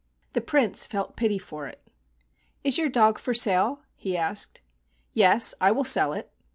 The Prince felt pity for it. "Is your dog for sale ?" he asked. "Yes, I will sell it."